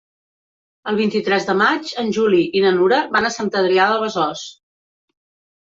El vint-i-tres de maig en Juli i na Nura van a Sant Adrià de Besòs.